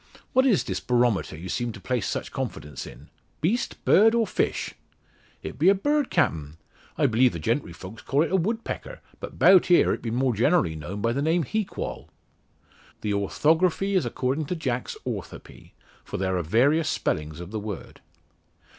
What is this barometer you seem to place such confidence in? Beast, bird, or fish?" "It be a bird, Captain? I believe the gentry folks calls it a woodpecker; but 'bout here it be more generally known by the name heequall." The orthography is according to Jack's orthoepy, for there are various spellings of the word.